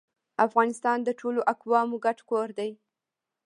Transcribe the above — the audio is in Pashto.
افغانستان د ټولو اقوامو ګډ کور دی